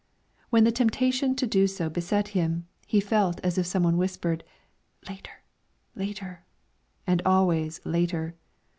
When the temptation to do so beset him, he felt as if some one whispered, "later, later!" and always "later!"